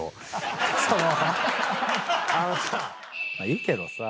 いいけどさ。